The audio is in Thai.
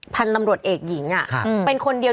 พันธุ์ตำรวจเอกหญิงเป็นคนเดียว